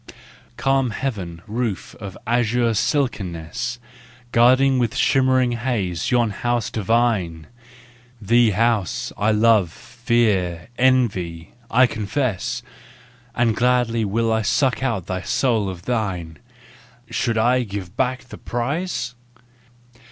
Calm heavenly roof of azure silkiness, Guarding with shimmering haze yon house divine! Thee, house, I love, fear—envy, I'll confess, APPENDIX 367 And gladly would suck out that soul of thine! " Should I give back the prize